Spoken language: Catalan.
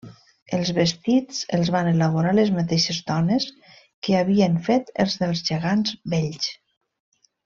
Els vestits els van elaborar les mateixes dones que havien fet els dels gegants vells.